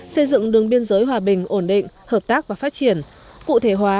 xây dựng đường biên giới hòa bình ổn định hợp tác và phát triển cụ thể hóa